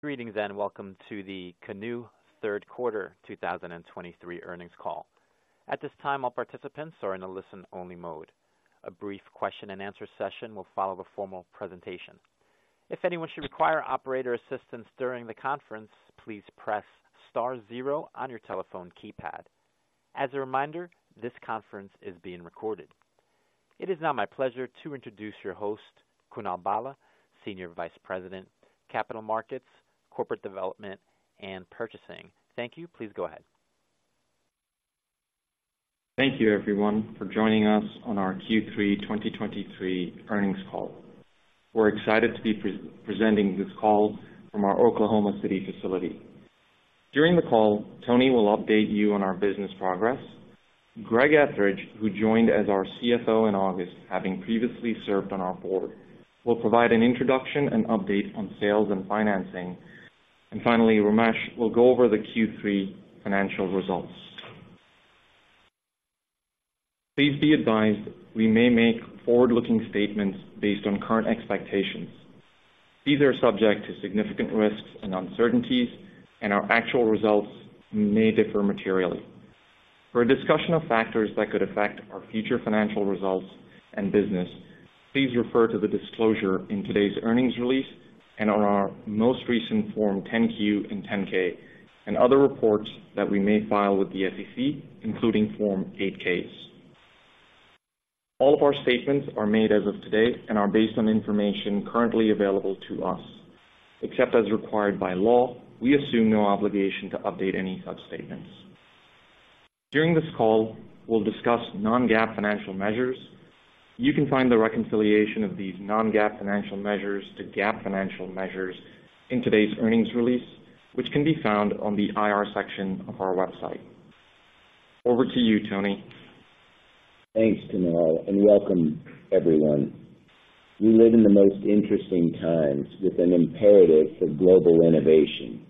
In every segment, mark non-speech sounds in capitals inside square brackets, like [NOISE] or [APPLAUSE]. Greetings, and welcome to the Canoo third quarter 2023 earnings call. At this time, all participants are in a listen-only mode. A brief question and answer session will follow the formal presentation. If anyone should require operator assistance during the conference, please press star zero on your telephone keypad. As a reminder, this conference is being recorded. It is now my pleasure to introduce your host, Kunal Bhalla, Senior Vice President, Capital Markets, Corporate Development, and Purchasing. Thank you. Please go ahead. Thank you, everyone, for joining us on our Q3 2023 earnings call. We're excited to be presenting this call from our Oklahoma City facility. During the call, Tony will update you on our business progress. Greg Ethridge, who joined as our CFO in August, having previously served on our board, will provide an introduction and update on sales and financing and finally, Ramesh will go over the Q3 financial results. Please be advised, we may make forward-looking statements based on current expectations. These are subject to significant risks and uncertainties, and our actual results may differ materially. For a discussion of factors that could affect our future financial results and business, please refer to the disclosure in today's earnings release and on our most recent Form 10-Q and 10-K, and other reports that we may file with the SEC, including Form 8-Ks. All of our statements are made as of today and are based on information currently available to us. Except as required by law, we assume no obligation to update any such statements. During this call, we'll discuss non-GAAP financial measures. You can find the reconciliation of these non-GAAP financial measures to GAAP financial measures in today's earnings release, which can be found on the IR section of our website. Over to you, Tony. Thanks, Kunal, and welcome, everyone. We live in the most interesting times with an imperative for global innovation,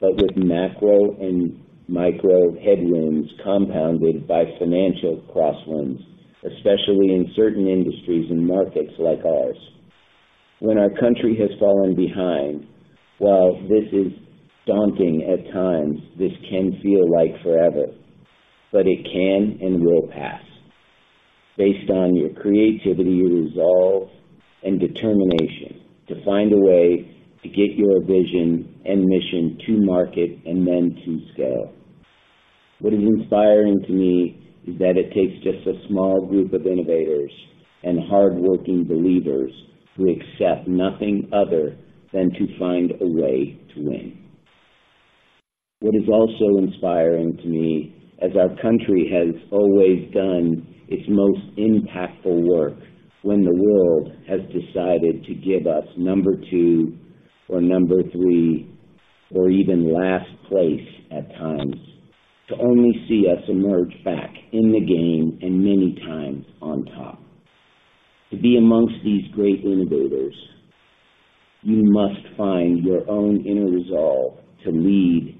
but with macro and micro headwinds compounded by financial crosswinds, especially in certain industries and markets like ours. When our country has fallen behind, while this is daunting at times, this can feel like forever, but it can and will pass based on your creativity, resolve, and determination to find a way to get your vision and mission to market and then to scale. What is inspiring to me is that it takes just a small group of innovators and hardworking believers who accept nothing other than to find a way to win. What is also inspiring to me, as our country has always done its most impactful work when the world has decided to give us number two or number three, or even last place at times, to only see us emerge back in the game and many times on top. To be amongst these great innovators, you must find your own inner resolve to lead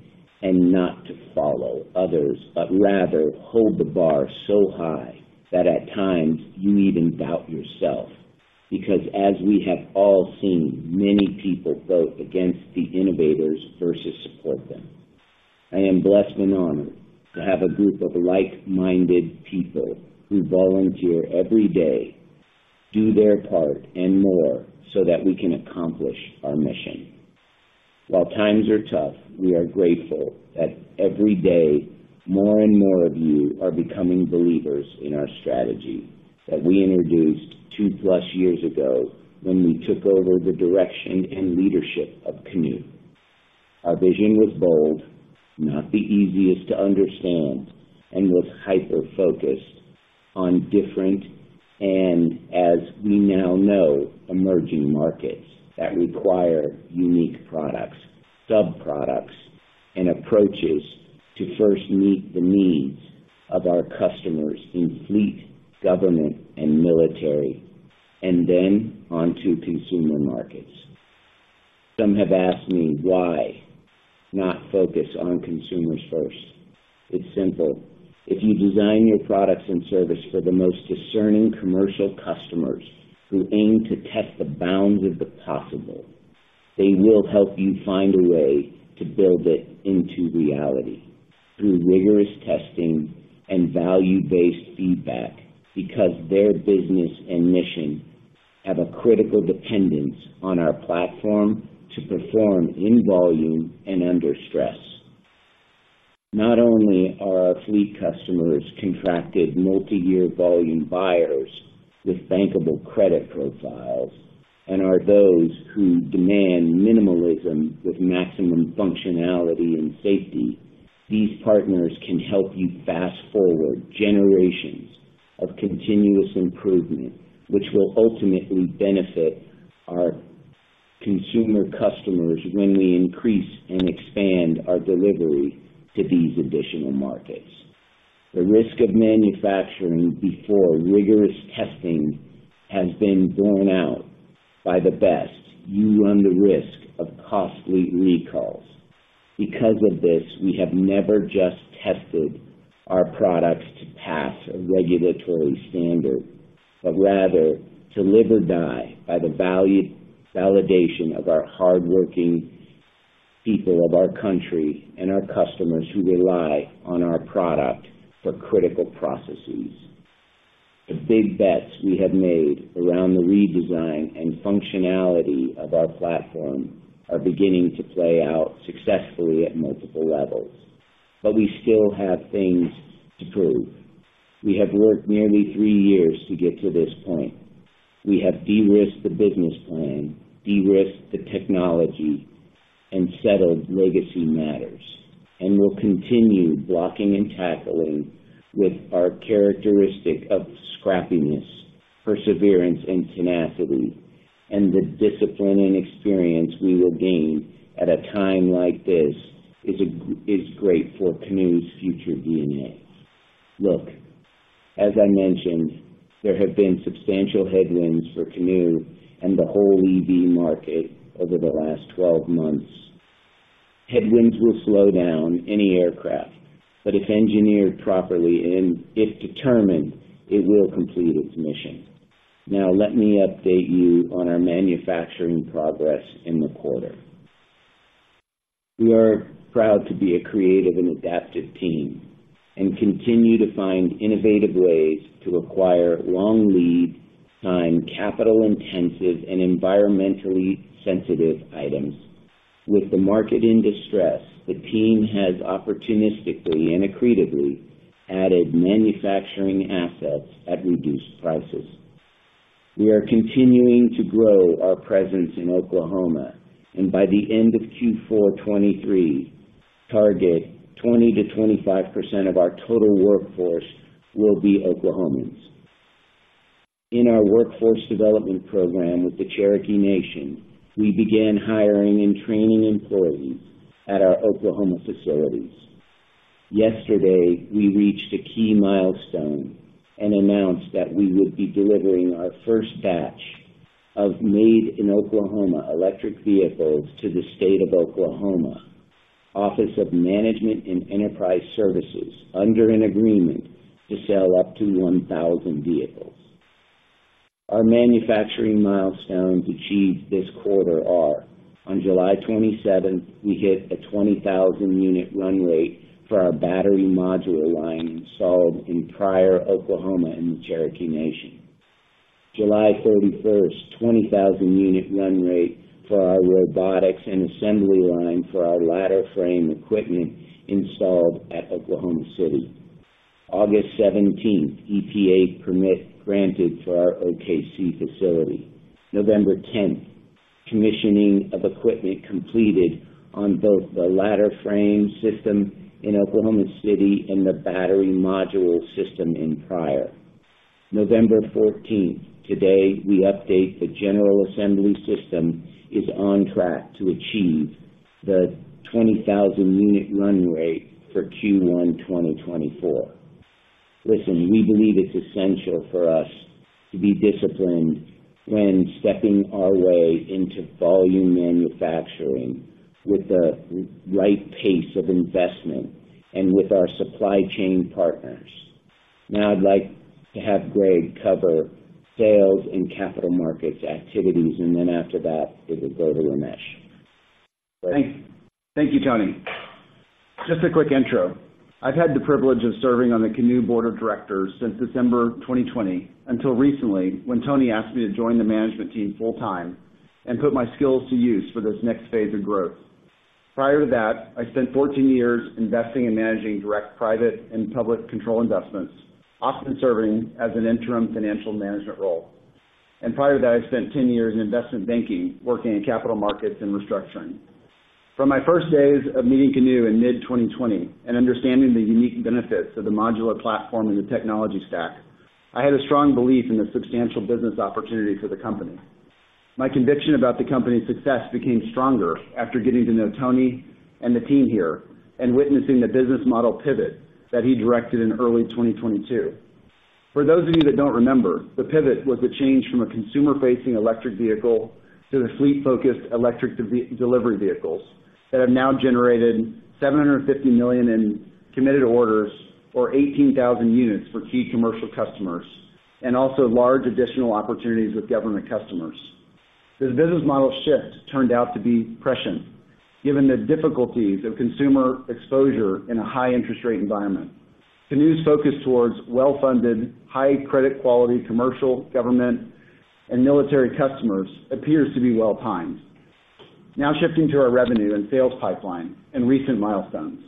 and not to follow others, but rather hold the bar so high that at times you even doubt yourself, because as we have all seen, many people vote against the innovators versus support them. I am blessed and honored to have a group of like-minded people who volunteer every day, do their part and more, so that we can accomplish our mission. While times are tough, we are grateful that every day, more and more of you are becoming believers in our strategy that we introduced two plus years ago when we took over the direction and leadership of Canoo. Our vision was bold, not the easiest to understand, and was hyper-focused on different, and as we now know, emerging markets that require unique products, sub-products, and approaches to first meet the needs of our customers in fleet, government, and military, and then onto consumer markets. Some have asked me, "Why not focus on consumers first?" It's simple. If you design your products and service for the most discerning commercial customers who aim to test the bounds of the possible, they will help you find a way to build it into reality through rigorous testing and value-based feedback, because their business and mission have a critical dependence on our platform to perform in volume and under stress. Not only are our fleet customers contracted multi-year volume buyers with bankable credit profiles and are those who demand minimalism with maximum functionality and safety, these partners can help you fast-forward generations of continuous improvement, which will ultimately benefit our consumer customers when we increase and expand our delivery to these additional markets. The risk of manufacturing before rigorous testing has been borne out by the best. You run the risk of costly recalls. Because of this, we have never just tested our products to pass a regulatory standard, but rather to live or die by the value validation of our hardworking people of our country and our customers who rely on our product for critical processes. The big bets we have made around the redesign and functionality of our platform are beginning to play out successfully at multiple levels, but we still have things to prove. We have worked nearly three years to get to this point. We have de-risked the business plan, de-risked the technology, and settled legacy matters, and we'll continue blocking and tackling with our characteristic of scrappiness, perseverance, and tenacity, and the discipline and experience we will gain at a time like this is great for Canoo's future DNA. Look, as I mentioned, there have been substantial headwinds for Canoo and the whole EV market over the last 12 months. Headwinds will slow down any aircraft, but if engineered properly and if determined, it will complete its mission. Now, let me update you on our manufacturing progress in the quarter. We are proud to be a creative and adaptive team and continue to find innovative ways to acquire long lead time, capital-intensive, and environmentally sensitive items. With the market in distress, the team has opportunistically and accretively added manufacturing assets at reduced prices. We are continuing to grow our presence in Oklahoma, and by the end of Q4 2023, target 20%-25% of our total workforce will be Oklahomans. In our workforce development program with the Cherokee Nation, we began hiring and training employees at our Oklahoma facilities. Yesterday, we reached a key milestone and announced that we will be delivering our first batch of made in Oklahoma electric vehicles to the state of Oklahoma, Office of Management and Enterprise Services, under an agreement to sell up to 1,000 vehicles. Our manufacturing milestones achieved this quarter are: On July 27th, we hit a 20,000-unit run rate for our battery modular line installed in Pryor, Oklahoma, in the Cherokee Nation. July 31st, 20,000-unit run rate for our robotics and assembly line for our ladder frame equipment installed at Oklahoma City. August 17th, EPA permit granted for our OKC facility. November 10th, commissioning of equipment completed on both the ladder frame system in Oklahoma City and the battery module system in Pryor. November 14th, today, we update the general assembly system is on track to achieve the 20,000-unit run rate for Q1 2024. Listen, we believe it's essential for us to be disciplined when stepping our way into volume manufacturing with the right pace of investment and with our supply chain partners. Now, I'd like to have Greg cover sales and capital markets activities, and then after that, we will go to Ramesh. Greg? Thank you, Tony. Just a quick intro. I've had the privilege of serving on the Canoo Board of Directors since December 2020, until recently, when Tony asked me to join the management team full-time and put my skills to use for this next phase of growth. Prior to that, I spent 14 years investing and managing direct, private, and public control investments, often serving as an interim financial management role. And prior to that, I spent 10 years in investment banking, working in capital markets and restructuring. From my first days of meeting Canoo in mid-2020 and understanding the unique benefits of the modular platform and the technology stack, I had a strong belief in the substantial business opportunity for the company. My conviction about the company's success became stronger after getting to know Tony and the team here and witnessing the business model pivot that he directed in early 2022. For those of you that don't remember, the pivot was the change from a consumer-facing electric vehicle to the fleet-focused electric delivery vehicles that have now generated $750 million in committed orders or 18,000 units for key commercial customers, and also large additional opportunities with government customers. This business model shift turned out to be prescient, given the difficulties of consumer exposure in a high interest rate environment. Canoo's focus towards well-funded, high credit quality, commercial, government, and military customers appears to be well-timed. Now shifting to our revenue and sales pipeline and recent milestones.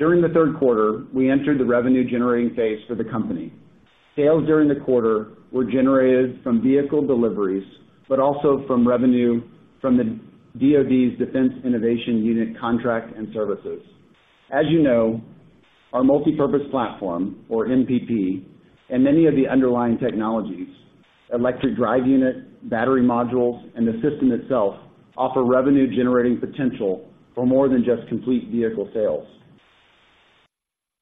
During the third quarter, we entered the revenue generating phase for the company. Sales during the quarter were generated from vehicle deliveries, but also from revenue from the DoD's Defense Innovation Unit contract and services. As you know, our Multi-Purpose Platform, or MPP, and many of the underlying technologies, electric drive unit, battery modules, and the system itself, offer revenue-generating potential for more than just complete vehicle sales...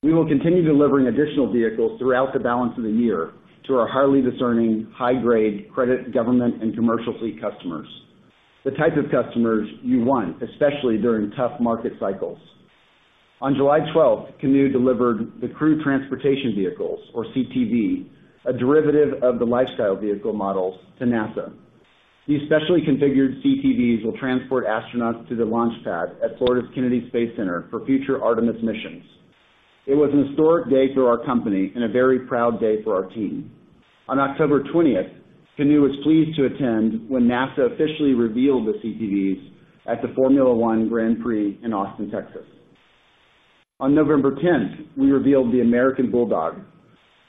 We will continue delivering additional vehicles throughout the balance of the year to our highly discerning, high-grade credit, government, and commercial fleet customers, the type of customers you want, especially during tough market cycles. On July 12th, Canoo delivered the Crew Transportation Vehicles, or CTV, a derivative of the Lifestyle Vehicle models, to NASA. These specially configured CTVs will transport astronauts to the launch pad at Florida's Kennedy Space Center for future Artemis missions. It was an historic day for our company and a very proud day for our team. On October 20th, Canoo was pleased to attend when NASA officially revealed the CTVs at the Formula One Grand Prix in Austin, Texas. On November 10th, we revealed the American Bulldog,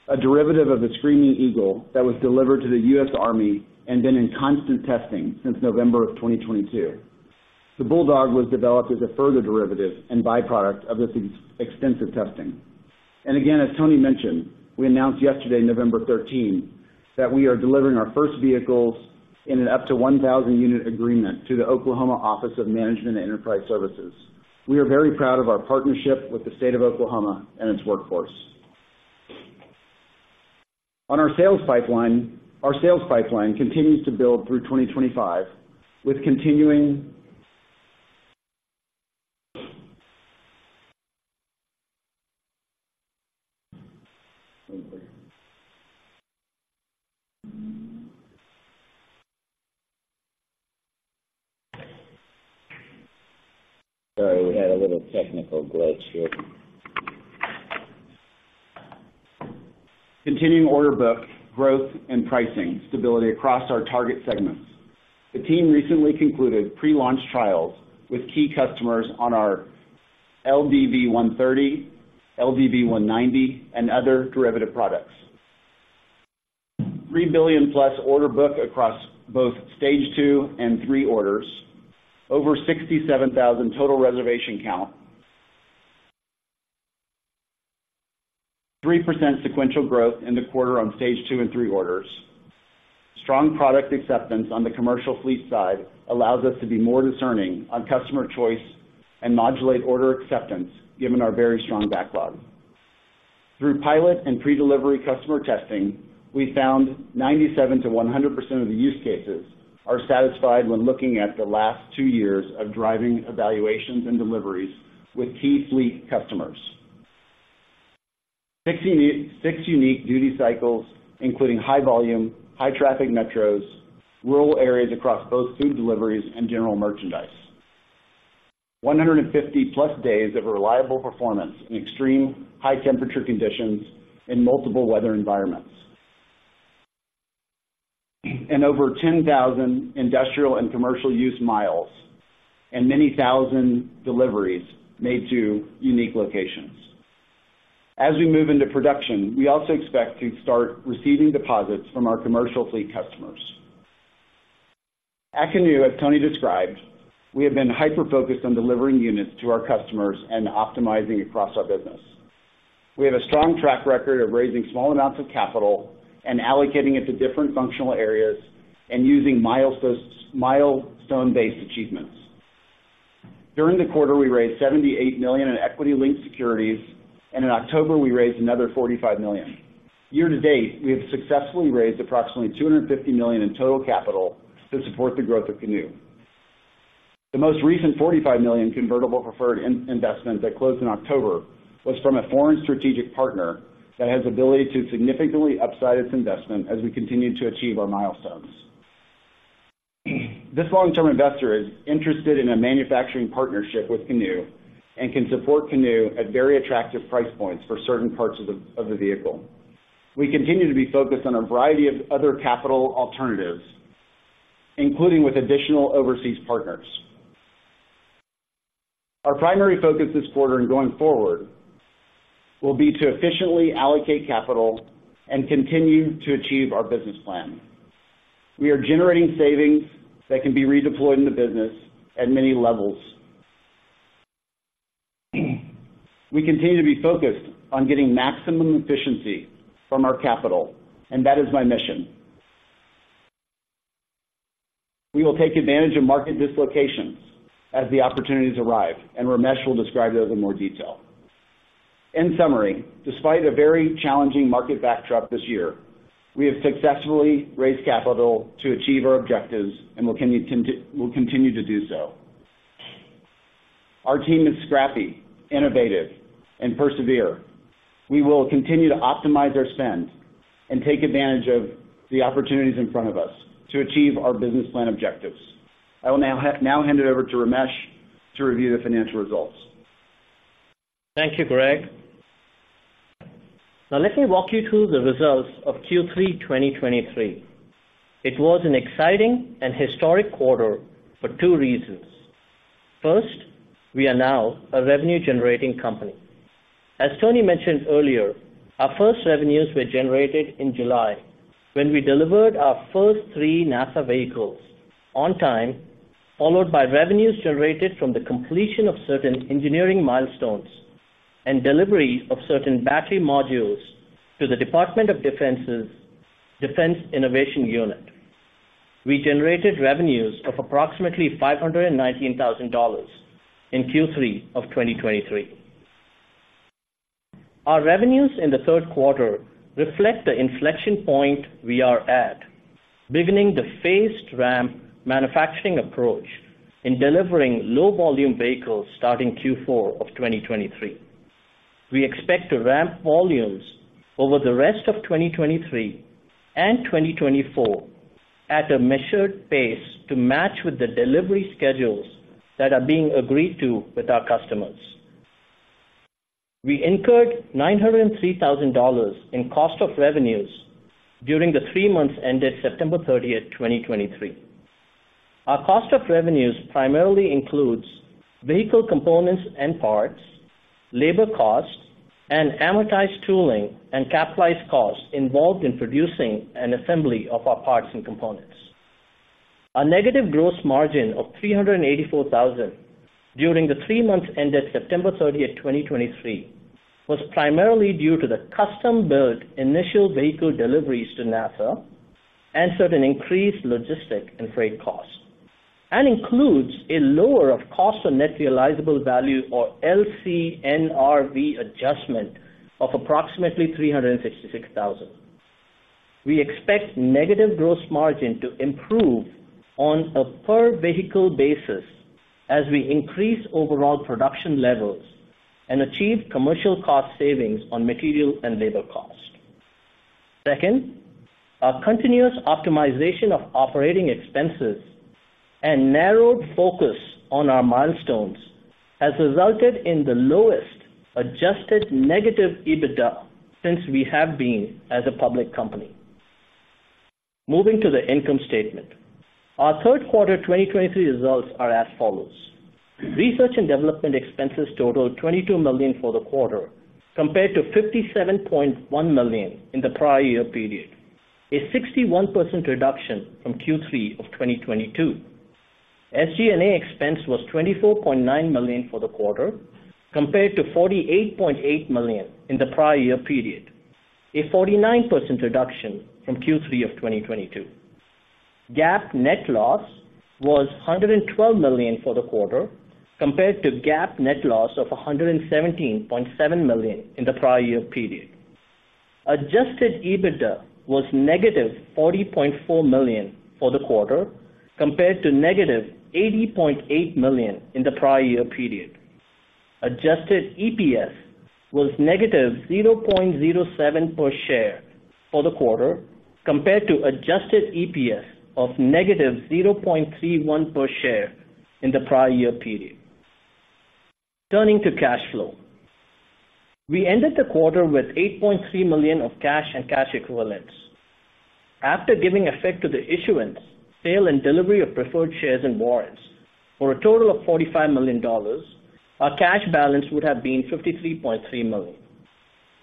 a derivative of the Screaming Eagle that was delivered to the U.S. Army and been in constant testing since November of 2022. The Bulldog was developed as a further derivative and byproduct of this extensive testing. And again, as Tony mentioned, we announced yesterday, November 13, that we are delivering our first vehicles in an up to 1,000-unit agreement to the Oklahoma Office of Management and Enterprise Services. We are very proud of our partnership with the state of Oklahoma and its workforce. On our sales pipeline, our sales pipeline continues to build through 2025, with continuing- [AUDIO DISTORTION] Sorry, we had a little technical glitch here. Continuing order book, growth, and pricing stability across our target segments. The team recently concluded pre-launch trials with key customers on our LDV 130, LDV 190, and other derivative products. $3 billion+ order book across both Stage two and three orders. Over 67,000 total reservation count. 3% sequential growth in the quarter on Stage two and three orders. Strong product acceptance on the commercial fleet side allows us to be more discerning on customer choice and modulate order acceptance, given our very strong backlog. Through pilot and pre-delivery customer testing, we found 97%-100% of the use cases are satisfied when looking at the last two years of driving evaluations and deliveries with key fleet customers. six unique, six unique duty cycles, including high volume, high traffic metros, rural areas across both food deliveries and general merchandise. 150+ days of reliable performance in extreme high-temperature conditions and multiple weather environments. Over 10,000 industrial and commercial use miles, and many thousand deliveries made to unique locations. As we move into production, we also expect to start receiving deposits from our commercial fleet customers. At Canoo, as Tony described, we have been hyper-focused on delivering units to our customers and optimizing across our business. We have a strong track record of raising small amounts of capital and allocating it to different functional areas and using milestone-based achievements. During the quarter, we raised $78 million in equity-linked securities, and in October, we raised another $45 million. Year-to-date, we have successfully raised approximately $250 million in total capital to support the growth of Canoo. The most recent $45 million convertible preferred investment that closed in October was from a foreign strategic partner that has the ability to significantly upside its investment as we continue to achieve our milestones. This long-term investor is interested in a manufacturing partnership with Canoo and can support Canoo at very attractive price points for certain parts of the vehicle. We continue to be focused on a variety of other capital alternatives, including with additional overseas partners. Our primary focus this quarter and going forward will be to efficiently allocate capital and continue to achieve our business plan. We are generating savings that can be redeployed in the business at many levels. We continue to be focused on getting maximum efficiency from our capital, and that is my mission. We will take advantage of market dislocations as the opportunities arrive, and Ramesh will describe those in more detail. In summary, despite a very challenging market backdrop this year, we have successfully raised capital to achieve our objectives and will continue to do so. Our team is scrappy, innovative, and persevere. We will continue to optimize our spend and take advantage of the opportunities in front of us to achieve our business plan objectives. I will now hand it over to Ramesh to review the financial results. Thank you, Greg. Now, let me walk you through the results of Q3 2023. It was an exciting and historic quarter for two reasons. First, we are now a revenue-generating company. As Tony mentioned earlier, our first revenues were generated in July, when we delivered our first three NASA vehicles on time, followed by revenues generated from the completion of certain engineering milestones and delivery of certain battery modules to the Department of Defense's Defense Innovation Unit. We generated revenues of approximately $519,000 in Q3 of 2023. Our revenues in the third quarter reflect the inflection point we are at, beginning the phased ramp manufacturing approach in delivering low-volume vehicles starting Q4 of 2023. We expect to ramp volumes over the rest of 2023 and 2024 at a measured pace to match with the delivery schedules that are being agreed to with our customers. We incurred $903,000 in cost of revenues during the three months ended September 30th, 2023. Our cost of revenues primarily includes vehicle components and parts, labor costs, and amortized tooling and capitalized costs involved in producing and assembly of our parts and components. Our negative gross margin of $384,000 during the three months ended September 30, 2023, was primarily due to the custom-built initial vehicle deliveries to NASA, and certain increased logistic and freight costs, and includes a lower of cost or net realizable value, or LCNRV adjustment, of approximately $366,000. We expect negative gross margin to improve on a per-vehicle basis as we increase overall production levels and achieve commercial cost savings on material and labor cost. Second, our continuous optimization of operating expenses and narrowed focus on our milestones has resulted in the lowest adjusted negative EBITDA since we have been as a public company. Moving to the income statement. Our third quarter 2023 results are as follows: Research and development expenses totaled $22 million for the quarter, compared to $57.1 million in the prior year period, a 61% reduction from Q3 of 2022. SG&A expense was $24.9 million for the quarter, compared to $48.8 million in the prior year period, a 49% reduction from Q3 of 2022. GAAP net loss was $112 million for the quarter, compared to GAAP net loss of $117.7 million in the prior year period. Adjusted EBITDA was -$40.4 million for the quarter, compared to -$80.8 million in the prior year period. Adjusted EPS was -$0.07 per share for the quarter, compared to adjusted EPS of -$0.31 per share in the prior year period. Turning to cash flow. We ended the quarter with $8.3 million of cash and cash equivalents. After giving effect to the issuance, sale, and delivery of preferred shares and warrants for a total of $45 million, our cash balance would have been $53.3 million.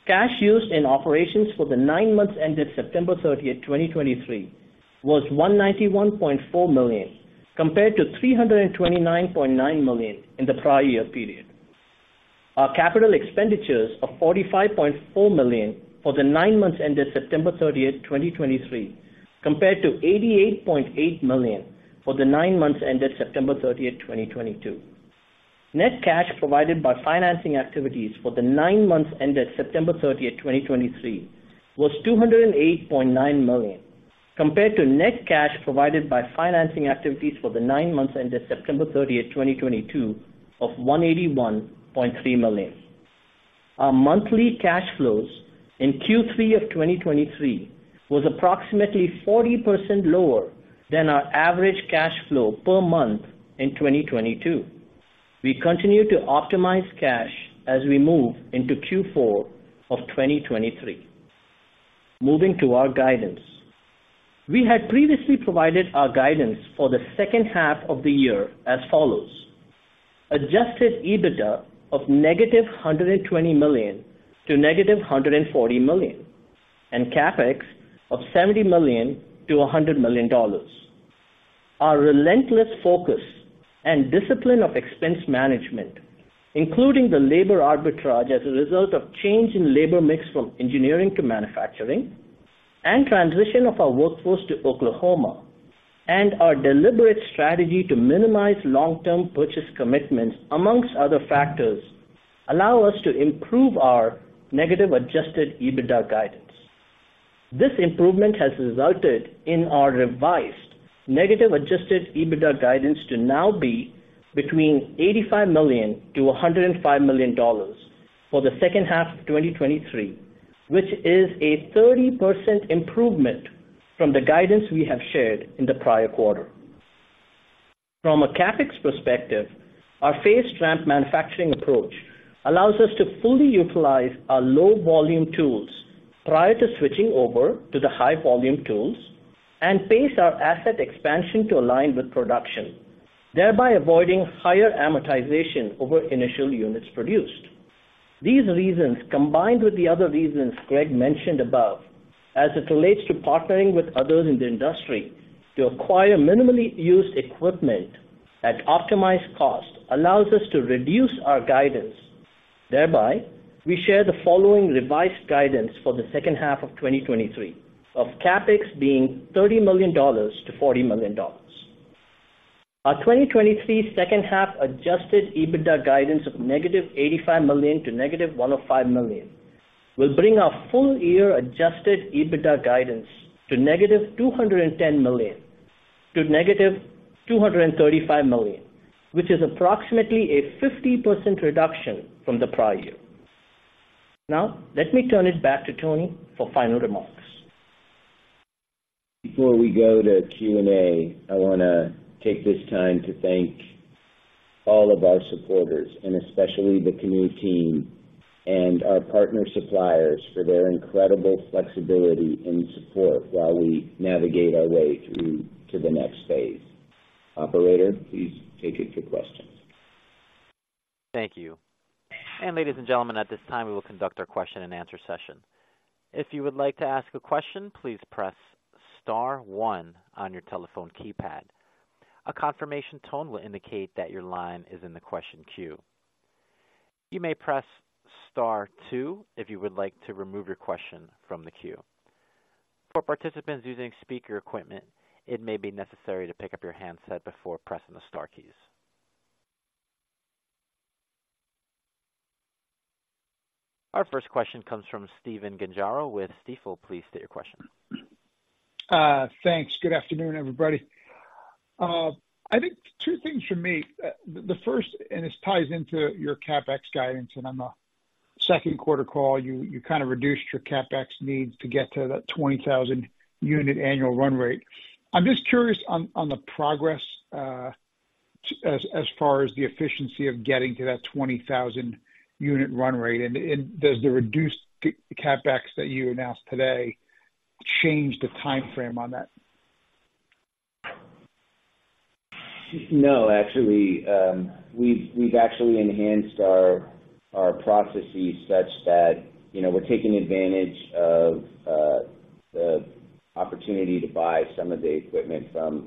Cash used in operations for the nine months ended September 30th, 2023, was $191.4 million, compared to $329.9 million in the prior year period. Our capital expenditures of $45.4 million for the nine months ended September 30, 2023, compared to $88.8 million for the nine months ended September 30, 2022. Net cash provided by financing activities for the nine months ended September 30, 2023, was $208.9 million, compared to net cash provided by financing activities for the nine months ended September 30, 2022, of $181.3 million. Our monthly cash flows in Q3 of 2023 was approximately 40% lower than our average cash flow per month in 2022. We continue to optimize cash as we move into Q4 of 2023. Moving to our guidance. We had previously provided our guidance for the second half of the year as follows: Adjusted EBITDA of negative $100 million to negative $140 million, and CapEx of $70 million-$100 million. Our relentless focus and discipline of expense management, including the labor arbitrage as a result of change in labor mix from engineering to manufacturing, and transition of our workforce to Oklahoma, and our deliberate strategy to minimize long-term purchase commitments, among other factors, allow us to improve our negative Adjusted EBITDA guidance. This improvement has resulted in our revised negative Adjusted EBITDA guidance to now be between $85 million-$105 million for the second half of 2023, which is a 30% improvement from the guidance we have shared in the prior quarter. From a CapEx perspective, our phased ramp manufacturing approach allows us to fully utilize our low-volume tools prior to switching over to the high-volume tools and pace our asset expansion to align with production, thereby avoiding higher amortization over initial units produced. These reasons, combined with the other reasons Greg mentioned above, as it relates to partnering with others in the industry to acquire minimally used equipment at optimized cost, allows us to reduce our guidance. Thereby, we share the following revised guidance for the second half of 2023, of CapEx being $30 million-$40 million. Our 2023 second half adjusted EBITDA guidance of -$85 million to -$105 million, will bring our full year adjusted EBITDA guidance to -$210 million to -$235 million, which is approximately a 50% reduction from the prior year. Now, let me turn it back to Tony for final remarks. Before we go to Q&A, I want to take this time to thank all of our supporters and especially the Canoo team and our partner suppliers for their incredible flexibility and support while we navigate our way through to the next phase. Operator, please take it to questions. Thank you. Ladies and gentlemen, at this time, we will conduct our question-and-answer session. If you would like to ask a question, please press star one on your telephone keypad. A confirmation tone will indicate that your line is in the question queue. You may press star two if you would like to remove your question from the queue. For participants using speaker equipment, it may be necessary to pick up your handset before pressing the star keys. Our first question comes from Stephen Gengaro with Stifel. Please state your question. Thanks. Good afternoon, everybody. I think two things from me. The first, and this ties into your CapEx guidance, and on the second quarter call, you kind of reduced your CapEx needs to get to that 20,000-unit annual run rate. I'm just curious on the progress as far as the efficiency of getting to that 20,000-unit annual run rate. Does the reduced CapEx that you announced today change the timeframe on that? No, actually, we've enhanced our processes such that, you know, we're taking advantage of the opportunity to buy some of the equipment from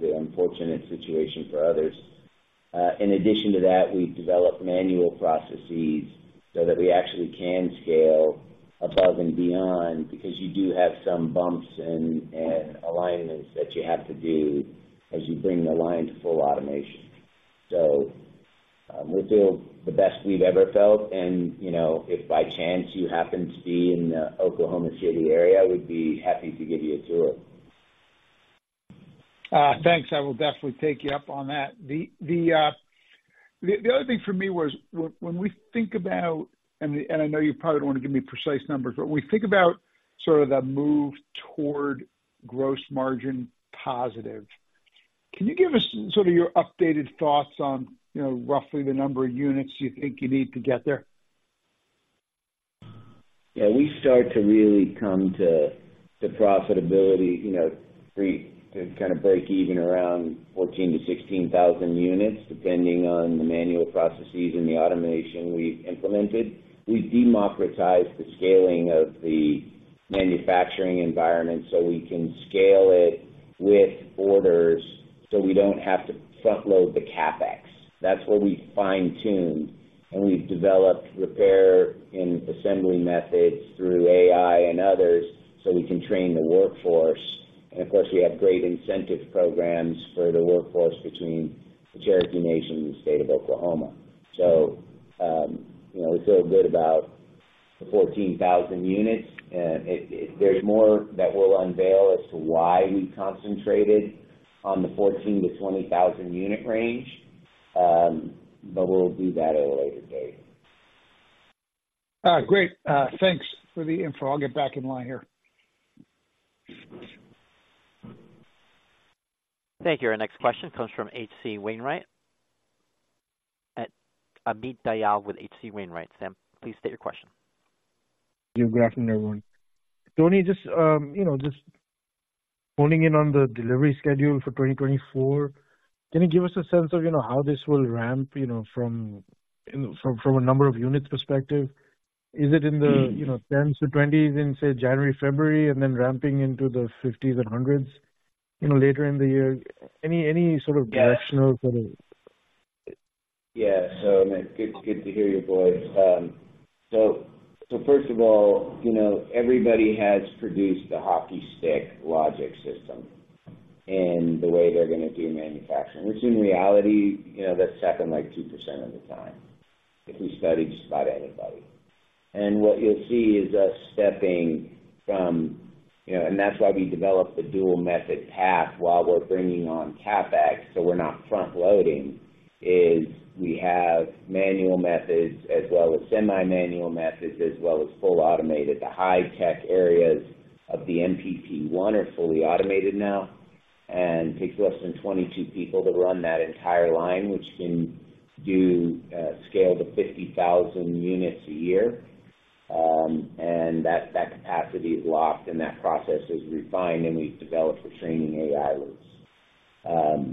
the unfortunate situation for others. In addition to that, we've developed manual processes so that we actually can scale above and beyond, because you do have some bumps and alignments that you have to do as you bring the line to full automation. So, we're feeling the best we've ever felt, and, you know, if by chance you happen to be in the Oklahoma City area, we'd be happy to give you a tour. Thanks. I will definitely take you up on that. The other thing for me was when we think about, and I know you probably don't want to give me precise numbers, but when we think about sort of the move toward gross margin positive, can you give us sort of your updated thoughts on, you know, roughly the number of units you think you need to get there? Yeah, we start to really come to profitability, you know, pre- to kind of break even around 14,000-16,000 units, depending on the manual processes and the automation we've implemented. We've democratized the scaling of the manufacturing environment so we can scale it with orders, so we don't have to front load the CapEx. That's where we fine-tune, and we've developed repair and assembly methods through AI and others, so we can train the workforce. And of course, we have great incentive programs for the workforce between the Cherokee Nation and the state of Oklahoma. So, you know, we feel good about the 14,000 units, and it- there's more that we'll unveil as to why we concentrated on the 14,000-20,000 unit range, but we'll do that at a later date. Great. Thanks for the info. I'll get back in line here. Thank you. Our next question comes from H.C. Wainwright. Amit Dayal with H.C. Wainwright. Sam, please state your question. Good afternoon, everyone. Tony, just, you know, just honing in on the delivery schedule for 2024, can you give us a sense of, you know, how this will ramp, you know, from a number of units perspective? Is it in the, you know, 10s-20s in, say, January, February, and then ramping into the 50s and 100s, you know, later in the year? Any sort of directional sort of- Yeah. So it's good to hear your voice. So first of all, you know, everybody has produced a hockey stick logic system in the way they're gonna do manufacturing, which in reality, you know, that's happened, like, 2% of the time, if we study just about anybody. And what you'll see is us stepping from... You know, and that's why we developed the dual method path while we're bringing on CapEx, so we're not frontloading, is we have manual methods, as well as semi-manual methods, as well as full automated. The high-tech areas of the MPP One are fully automated now, and takes less than 22 people to run that entire line, which can do scale to 50,000 units a year. And that capacity is locked, and that process is refined, and we've developed the training AIs.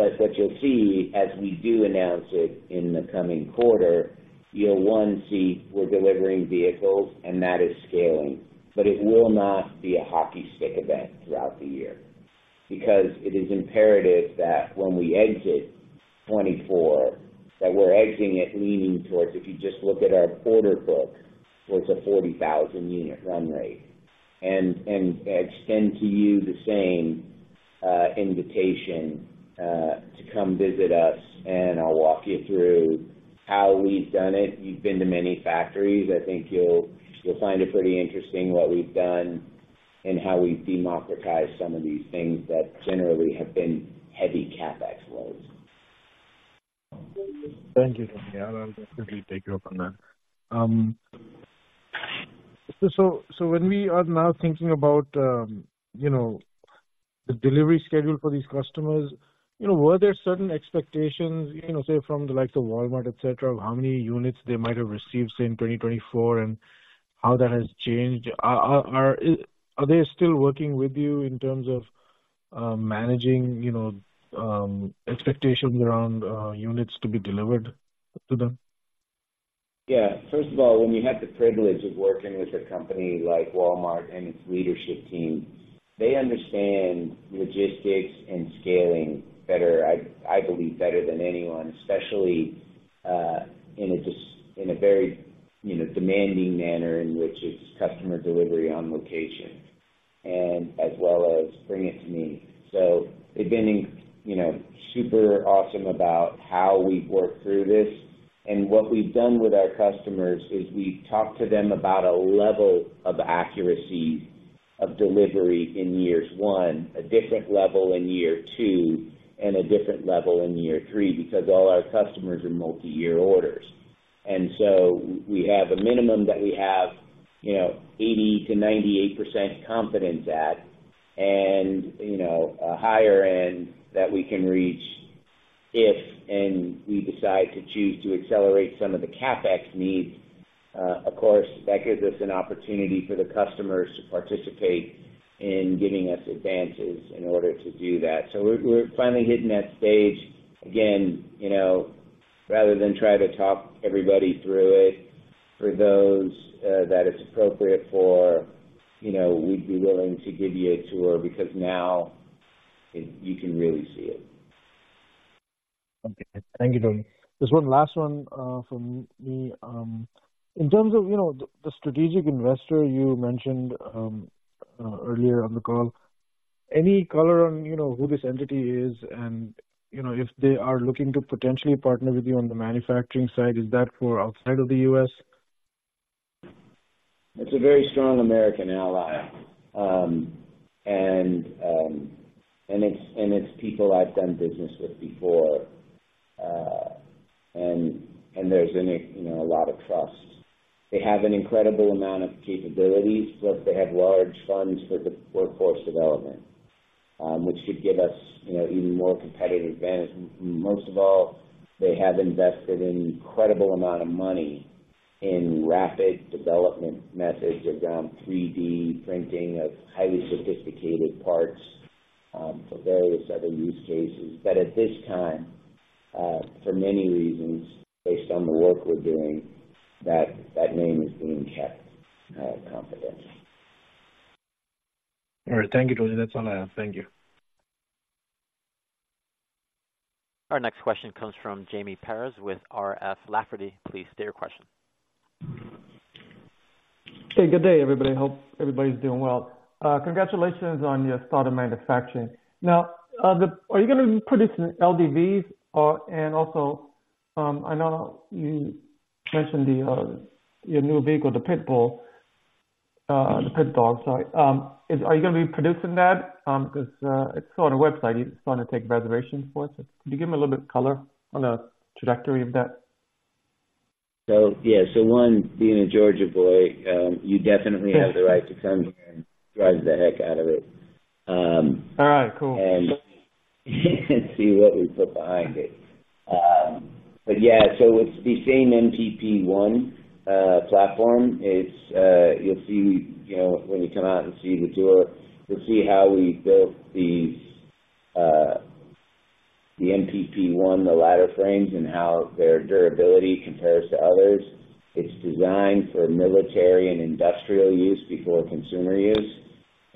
But what you'll see as we do announce it in the coming quarter, you'll, one, see we're delivering vehicles, and that is scaling, but it will not be a hockey stick event throughout the year, because it is imperative that when we exit 2024, that we're exiting it leaning towards, if you just look at our order book, towards a 40,000-unit run rate. And I extend to you the same invitation to come visit us, and I'll walk you through how we've done it. You've been to many factories. I think you'll find it pretty interesting what we've done and how we've democratized some of these things that generally have been heavy CapEx loads. Thank you, Tony. I'll definitely take you up on that. So when we are now thinking about, you know, the delivery schedule for these customers, you know, were there certain expectations, you know, say, from the likes of Walmart, et cetera, of how many units they might have received, say, in 2024, and how that has changed? Are they still working with you in terms of managing, you know, expectations around units to be delivered to them? Yeah. First of all, when you have the privilege of working with a company like Walmart and its leadership team, they understand logistics and scaling better, I believe, better than anyone, especially in a very, you know, demanding manner in which it's customer delivery on location, and as well as bring it to me. So they've been, you know, super awesome about how we work through this. And what we've done with our customers is we've talked to them about a level of accuracy of delivery in years one, a different level in year two, and a different level in year three, because all our customers are multi-year orders. And so we have a minimum that we have, you know, 80%-98% confidence at, and, you know, a higher end that we can reach if, and we decide to choose to accelerate some of the CapEx needs. Of course, that gives us an opportunity for the customers to participate in giving us advances in order to do that. So we're finally hitting that stage. Again, you know, rather than try to talk everybody through it, for those that it's appropriate for, you know, we'd be willing to give you a tour, because now you can really see it. Okay. Thank you, Tony. Just one last one from me. In terms of, you know, the, the strategic investor you mentioned earlier on the call, any color on, you know, who this entity is and, you know, if they are looking to potentially partner with you on the manufacturing side, is that for outside of the U.S.? It's a very strong American ally. And it's people I've done business with before, and there's in it, you know, a lot of trust. They have an incredible amount of capabilities, plus they have large funds for the workforce development, which should give us, you know, even more competitive advantage. Most of all, they have invested an incredible amount of money in rapid development methods around 3D printing of highly sophisticated parts, for various other use cases. But at this time, for many reasons, based on the work we're doing, that name is being kept confidential. All right. Thank you, Tony. That's all I have. Thank you. Our next question comes from Jaime Perez with R.F. Lafferty. Please state your question. Hey, good day, everybody. Hope everybody's doing well. Congratulations on your start of manufacturing. Now, are you gonna be producing LDVs? And also, I know you mentioned the your new vehicle, the Pit Bull, the Pit Dog, sorry. Is, are you gonna be producing that? Because, it's on the website, you're starting to take reservations for it. Could you give me a little bit of color on the trajectory of that? So, yeah. So one, being a Georgia boy, you definitely have the right to come here and drive the heck out of it. All right, cool. See what we put behind it. But yeah, so it's the same MPP 1 platform. It's, you'll see, you know, when you come out and see the tour, you'll see how we built these, the MPP 1, the ladder frames, and how their durability compares to others. It's designed for military and industrial use before consumer use.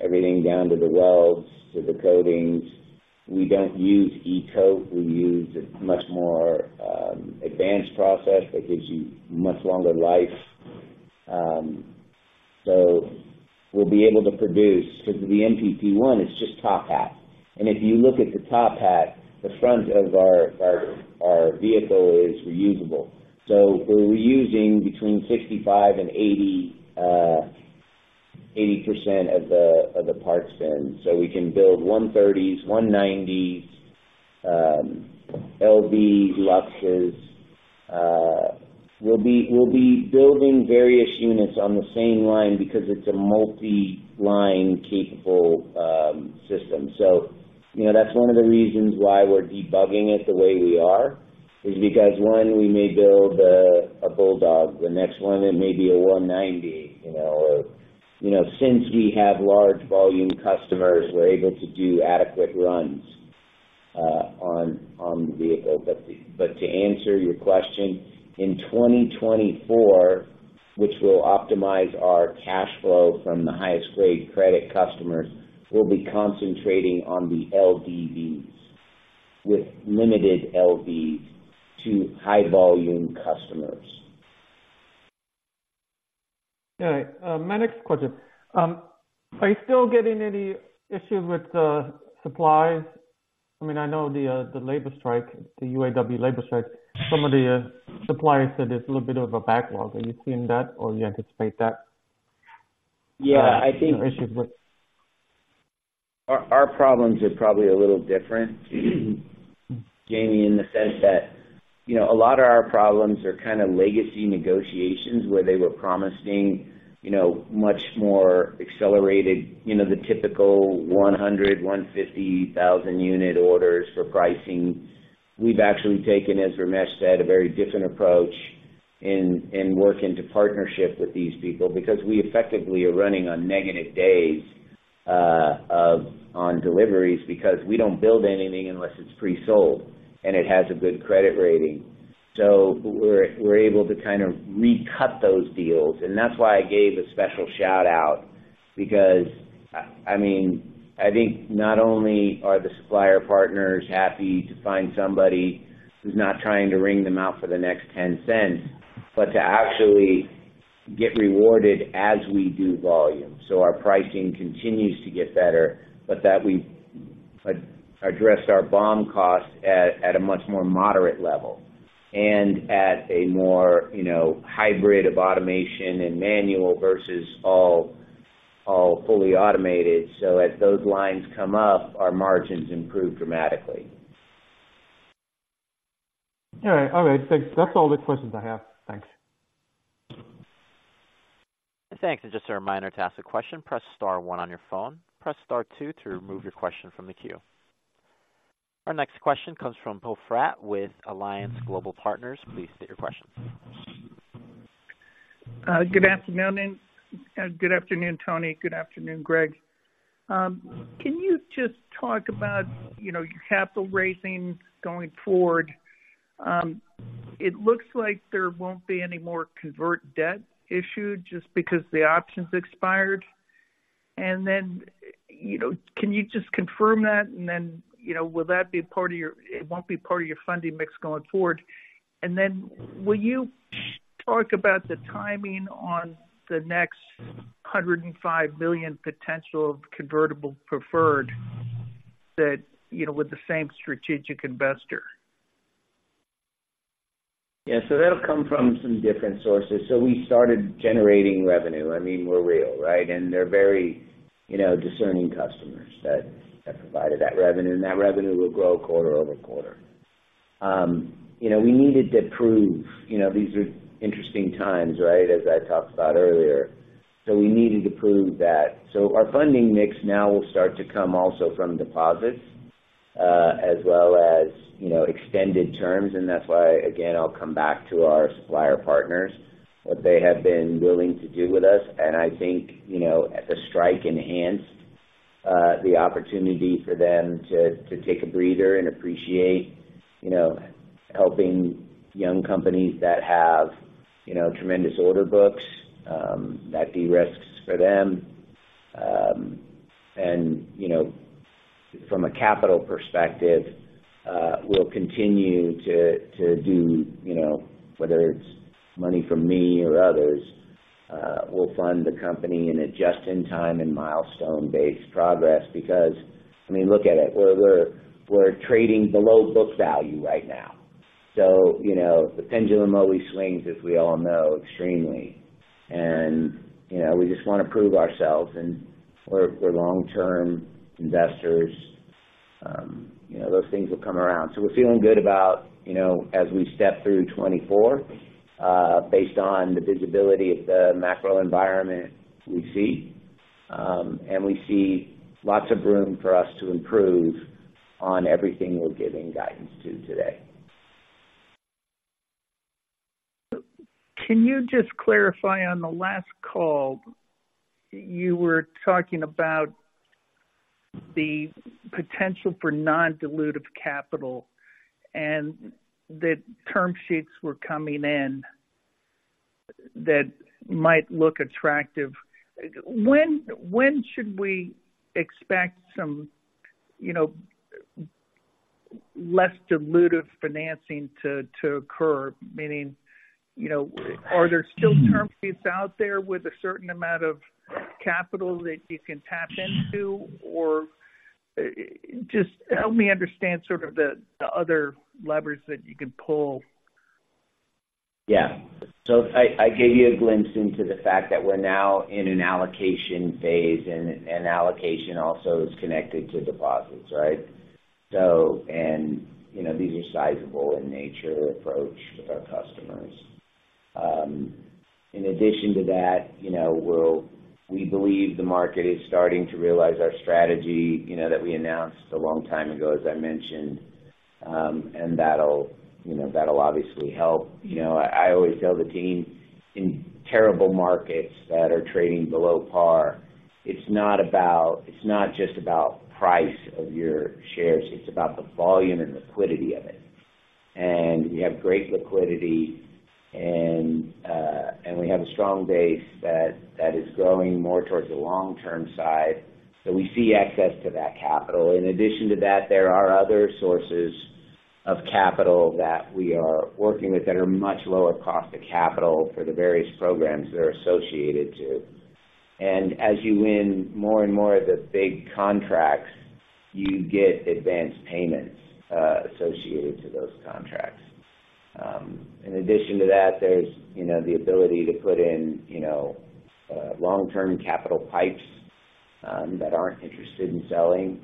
Everything down to the welds, to the coatings. We don't use E-coat, we use a much more, advanced process that gives you much longer life. So we'll be able to produce... because the MPP 1 is just Top Hat. And if you look at the Top Hat, the front of our vehicle is reusable. So we're reusing between 65%-80% of the parts then. So we can build 130s, 190s, LV Luxes. We'll be building various units on the same line because it's a multi-line capable system. So, you know, that's one of the reasons why we're debugging it the way we are, is because, one, we may build a Bulldog, the next one, it may be a 190, you know, or. You know, since we have large volume customers, we're able to do adequate runs on the vehicle. But to answer your question, in 2024, which will optimize our cash flow from the highest grade credit customers, we'll be concentrating on the LDVs, with limited LV to high volume customers. All right, my next question. Are you still getting any issues with, supplies? I mean, I know the, the labor strike, the UAW labor strike, some of the suppliers said there's a little bit of a backlog. Are you seeing that, or do you anticipate that? Yeah, I think- Issues with- Our problems are probably a little different, Jamie, in the sense that, you know, a lot of our problems are kind of legacy negotiations where they were promising, you know, much more accelerated, you know, the typical 100, 150 thousand unit orders for pricing. We've actually taken, as Ramesh said, a very different approach in working to partnership with these people because we effectively are running on negative days on deliveries, because we don't build anything unless it's pre-sold, and it has a good credit rating. So we're able to kind of recut those deals, and that's why I gave a special shout-out. Because, I mean, I think not only are the supplier partners happy to find somebody who's not trying to wring them out for the next 10 cents, but to actually get rewarded as we do volume. So our pricing continues to get better, but that we address our BOM costs at a much more moderate level and at a more, you know, hybrid of automation and manual versus all fully automated. So as those lines come up, our margins improve dramatically. All right. All right, thanks. That's all the questions I have. Thanks. Thanks, and just a reminder, to ask a question, press star one on your phone. Press star two to remove your question from the queue. Our next question comes from Poe Fratt with Alliance Global Partners. Please state your question. Good afternoon, and good afternoon, Tony. Good afternoon, Greg. Can you just talk about, you know, your capital raising going forward? It looks like there won't be any more convertible debt issued just because the options expired. And then, you know, can you just confirm that? And then, you know, will that be part of your... It won't be part of your funding mix going forward. And then will you talk about the timing on the next $105 million potential convertible preferred that, you know, with the same strategic investor? Yeah, so that'll come from some different sources. So we started generating revenue. I mean, we're real, right? And they're very, you know, discerning customers that provided that revenue, and that revenue will grow quarter-over-quarter. You know, we needed to prove, you know, these are interesting times, right, as I talked about earlier. So we needed to prove that. So our funding mix now will start to come also from deposits, as well as, you know, extended terms, and that's why, again, I'll come back to our supplier partners, what they have been willing to do with us. And I think, you know, the strike enhanced the opportunity for them to take a breather and appreciate, you know, helping young companies that have, you know, tremendous order books, that de-risks for them. And, you know, from a capital perspective, we'll continue to do, you know, whether it's money from me or others, we'll fund the company in a just-in-time and milestone-based progress. Because, I mean, look at it, we're trading below book value right now. So, you know, the pendulum always swings, as we all know, extremely. And, you know, we just want to prove ourselves, and for long-term investors, you know, those things will come around. So we're feeling good about, you know, as we step through 2024, based on the visibility of the macro environment we see, and we see lots of room for us to improve on everything we're giving guidance to today. Can you just clarify, on the last call, you were talking about the potential for non-dilutive capital and that term sheets were coming in that might look attractive. When should we expect some, you know, less dilutive financing to occur? Meaning, you know, are there still term sheets out there with a certain amount of capital that you can tap into? Or just help me understand sort of the other levers that you can pull. Yeah. So I gave you a glimpse into the fact that we're now in an allocation phase, and allocation also is connected to deposits, right? So... And, you know, these are sizable in nature approach with our customers. In addition to that, you know, we believe the market is starting to realize our strategy, you know, that we announced a long time ago, as I mentioned. And that'll, you know, obviously help. You know, I always tell the team, in terrible markets that are trading below par, it's not just about price of your shares, it's about the volume and liquidity of it... and we have great liquidity, and we have a strong base that is growing more towards the long-term side, so we see access to that capital. In addition to that, there are other sources of capital that we are working with that are much lower cost of capital for the various programs they're associated to. And as you win more and more of the big contracts, you get advanced payments associated to those contracts. In addition to that, there's, you know, the ability to put in, you know, long-term capital pipes that aren't interested in selling,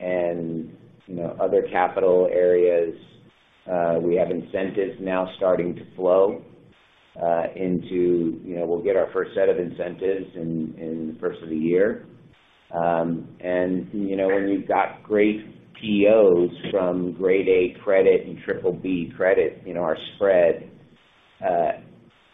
and, you know, other capital areas. We have incentives now starting to flow into, you know, we'll get our first set of incentives in the first of the year. And, you know, when you've got great POs from grade A credit and triple B credit in our spread,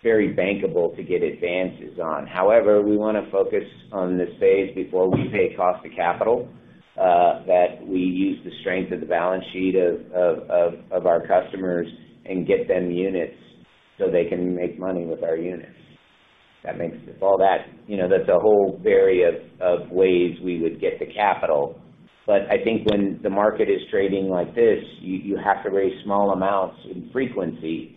very bankable to get advances on. However, we wanna focus on this phase before we pay cost of capital, that we use the strength of the balance sheet of our customers and get them units, so they can make money with our units. If that makes all that, you know, that's a whole variety of ways we would get the capital. But I think when the market is trading like this, you have to raise small amounts in frequency,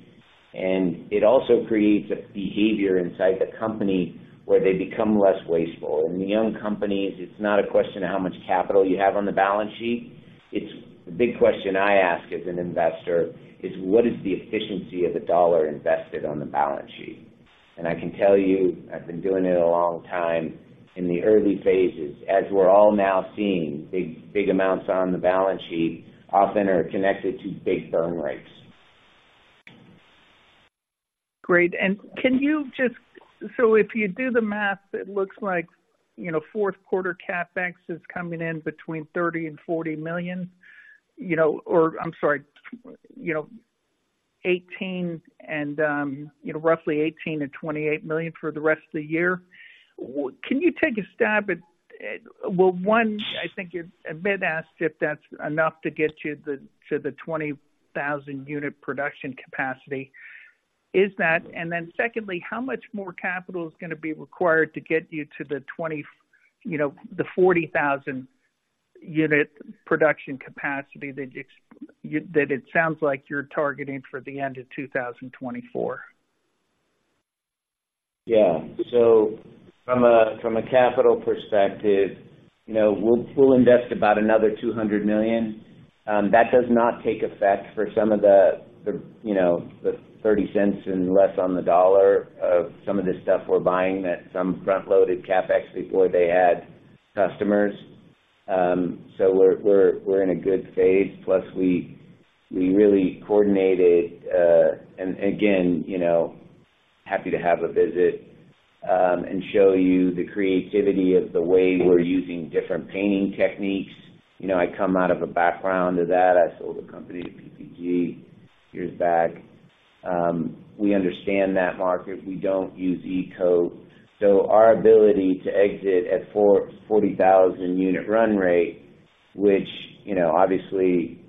and it also creates a behavior inside the company where they become less wasteful. In the young companies, it's not a question of how much capital you have on the balance sheet. It's the big question I ask as an investor is: What is the efficiency of the dollar invested on the balance sheet? And I can tell you, I've been doing it a long time. In the early phases, as we're all now seeing, big, big amounts on the balance sheet often are connected to big burn rates. Great. And can you just... So if you do the math, it looks like, you know, fourth quarter CapEx is coming in between $30 million and $40 million. You know, or I'm sorry, you know, 18 and, you know, roughly $18 million-$28 million for the rest of the year. Can you take a stab at, at, well, one, I think Amit asked if that's enough to get you the, to the 20,000-unit production capacity. Is that... And then secondly, how much more capital is gonna be required to get you to the 20, you know, the 40,000-unit production capacity that you, that it sounds like you're targeting for the end of 2024? Yeah. So from a capital perspective, you know, we'll invest about another $200 million. That does not take effect for some of the you know the 30 cents and less on the dollar of some of the stuff we're buying that some front-loaded CapEx before they add customers. So we're in a good phase, plus we really coordinated. Again, you know, happy to have a visit and show you the creativity of the way we're using different painting techniques. You know, I come out of a background of that. I sold a company to PPG years back. We understand that market. We don't use E-coat. So our ability to exit at 440,000 unit run rate, which, you know, obviously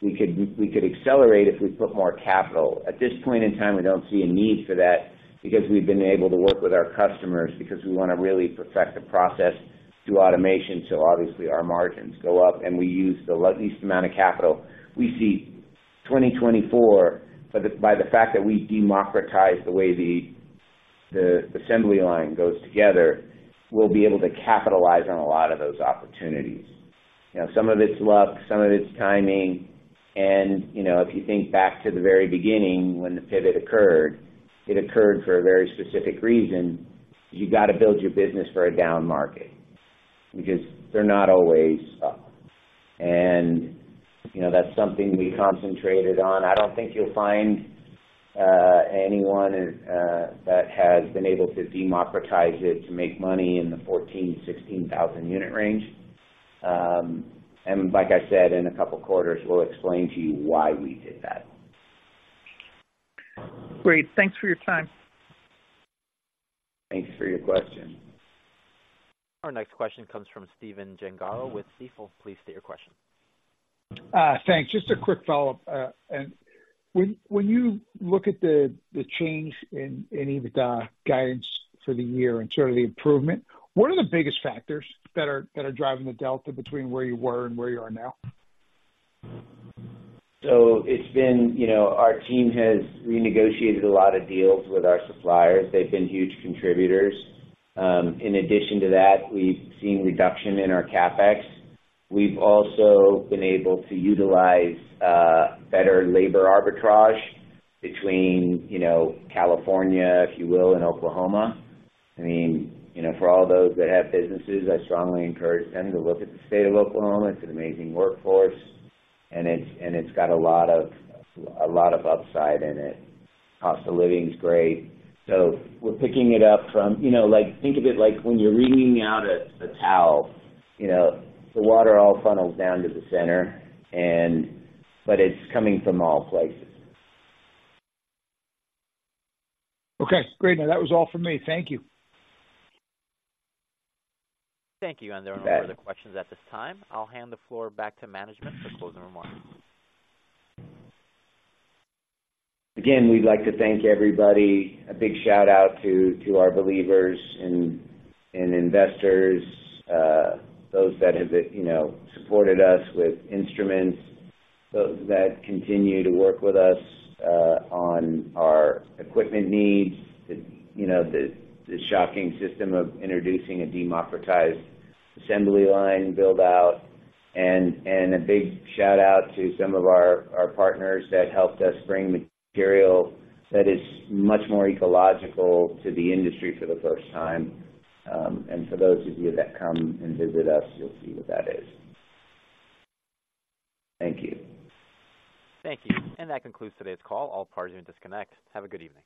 we could accelerate if we put more capital. At this point in time, we don't see a need for that because we've been able to work with our customers, because we wanna really perfect the process through automation, so obviously, our margins go up, and we use the least amount of capital. We see 2024, by the fact that we democratize the way the assembly line goes together, we'll be able to capitalize on a lot of those opportunities. You know, some of it's luck, some of it's timing, and, you know, if you think back to the very beginning when the pivot occurred, it occurred for a very specific reason. You've got to build your business for a down market because they're not always up. And, you know, that's something we concentrated on. I don't think you'll find anyone that has been able to democratize it to make money in the 14,000-16,000 unit range. And like I said, in a couple of quarters, we'll explain to you why we did that. Great. Thanks for your time. Thanks for your question. Our next question comes from Stephen Gengaro with Stifel. Please state your question. Thanks. Just a quick follow-up. When you look at the change in EBITDA guidance for the year and sort of the improvement, what are the biggest factors that are driving the delta between where you were and where you are now? So it's been, you know, our team has renegotiated a lot of deals with our suppliers. They've been huge contributors. In addition to that, we've seen reduction in our CapEx. We've also been able to utilize better labor arbitrage between, you know, California, if you will, and Oklahoma. I mean, you know, for all those that have businesses, I strongly encourage them to look at the state of Oklahoma. It's an amazing workforce, and it's, and it's got a lot of, a lot of upside in it. Cost of living is great. So we're picking it up from... You know, like, think of it like when you're wringing out a towel, you know, the water all funnels down to the center and, but it's coming from all places. Okay, great. Now, that was all for me. Thank you. Thank you. You bet. There are no further questions at this time. I'll hand the floor back to management for closing remarks. Again, we'd like to thank everybody. A big shout-out to our believers and investors, those that have been, you know, supported us with instruments, those that continue to work with us on our equipment needs, you know, the shocking system of introducing a democratized assembly line build-out. And a big shout-out to some of our partners that helped us bring material that is much more ecological to the industry for the first time. For those of you that come and visit us, you'll see what that is. Thank you. Thank you. That concludes today's call. All parties, you may disconnect. Have a good evening.